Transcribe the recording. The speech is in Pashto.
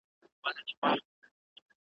څو په نوم انسانيت وي `